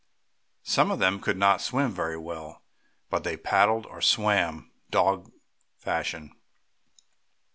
Some of them could not swim very well, but they paddled, or swam "dog fashion."